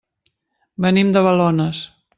Venim de Balones.